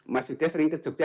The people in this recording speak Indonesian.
mas yuda sering ke jogja